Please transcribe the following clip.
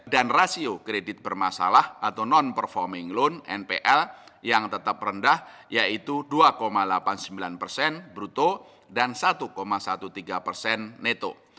dan rasio kredit bermasalah atau non performing loan npl yang tetap rendah yaitu dua delapan puluh sembilan persen bruto dan satu tiga belas persen neto